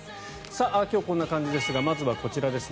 今日はこんな感じですがまずはこちらです。